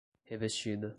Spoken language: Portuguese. revestida